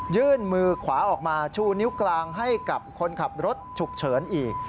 ยื่นมือขวาออกมาชูนิ้วกลางให้กับคนขับรถฉุกเฉินอีก